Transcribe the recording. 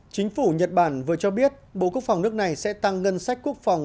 chính phủ nhật bản vừa cho biết bộ quốc phòng nước này sẽ tăng ngân sách quốc phòng